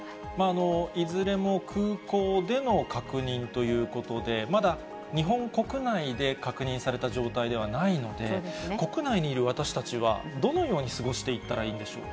いずれも空港での確認ということで、まだ日本国内で確認された状態ではないので、国内にいる私たちはどのように過ごしていったらいいんでしょうか。